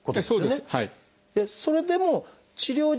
そうですね。